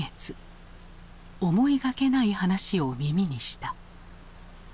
思いがけない話を耳にした。